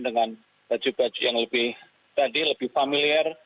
dengan baju baju yang lebih tadi lebih familiar